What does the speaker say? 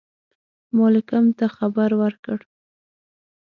مالکم ته خبر ورکړ.